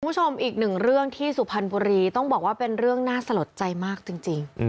คุณผู้ชมอีกหนึ่งเรื่องที่สุพรรณบุรีต้องบอกว่าเป็นเรื่องน่าสลดใจมากจริง